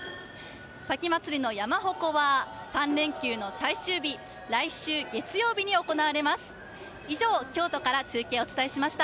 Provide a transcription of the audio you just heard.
前祭の山鉾は３連休の最終日、来週月曜日に行われます。